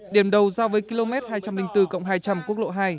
điểm đầu giao với km hai trăm linh bốn cộng hai trăm linh quốc lộ hai